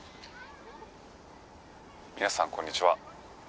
「皆さんこんにちは」